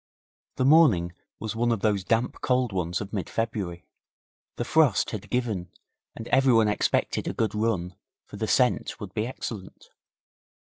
The morning was one of those damp cold ones of mid February; the frost had given and everyone expected a good run, for the scent would be excellent.